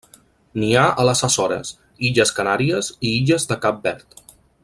N'hi ha a les Açores, illes Canàries, i illes de Cap Verd.